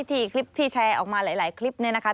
คลิปที่แชร์ออกมาหลายคลิปเนี่ยนะคะ